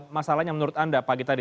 masalahnya menurut anda pagi tadi